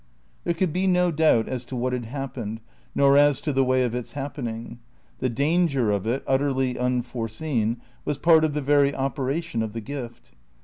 There could be no doubt as to what had happened, nor as to the way of its happening. The danger of it, utterly unforeseen, was part of the very operation of the gift.